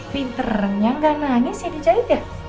pinternya gak nangis ya di jahit ya